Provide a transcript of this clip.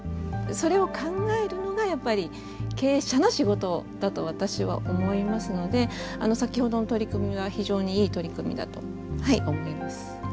それを考えるのがやっぱり経営者の仕事だと私は思いますので先ほどの取り組みは非常にいい取り組みだと思います。